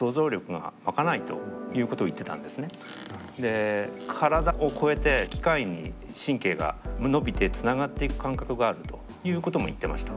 で体を超えて機械に神経が伸びてつながっていく感覚があるということも言ってました。